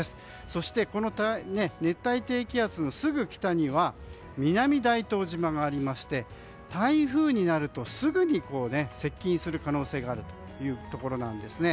そして、この熱帯低気圧のすぐ北には南大東島がありまして台風になると、すぐに接近する可能性があるところなんですね。